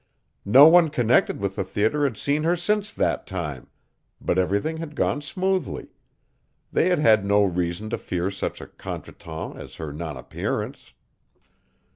No one connected with the theater had seen her since that time, but everything had gone smoothly; they had had no reason to fear such a contretemps as her nonappearance.